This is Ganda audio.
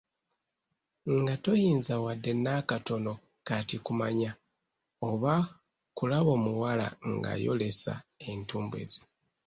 Nga toyinza wadde n'akatono kati kumanya oba kulaba muwala ng'ayolesa entumbe ze.